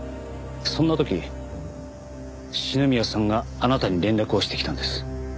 そんな時篠宮さんがあなたに連絡をしてきたんです。